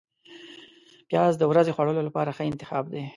پیاز د ورځې خوړلو لپاره ښه انتخاب دی